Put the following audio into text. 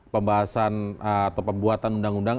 pembahasan atau pembuatan undang undang